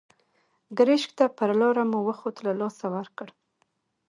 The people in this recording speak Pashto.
ګرشک ته پر لاره مو وخت له لاسه ورکړی.